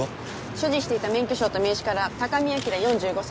所持していた免許証と名刺から高見明４５歳。